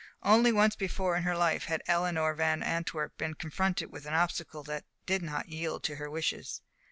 Only once before in her life had Eleanor Van Antwerp been confronted with an obstacle that did not yield to her wishes.